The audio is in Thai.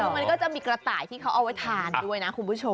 มันก็จะมีกระต่ายที่เขาเอาไว้ทานด้วยนะคุณผู้ชม